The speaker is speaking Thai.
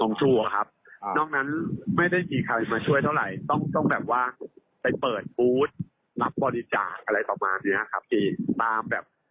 ของทูลครับนอกนั้นไม่ได้มีใครมาช่วยเท่าไหร่ต้องไปเปิดบูธรับบริจาคอะไรประมาณนี้ครับ